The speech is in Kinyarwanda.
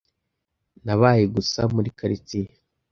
Nabaye gusa muri quartier.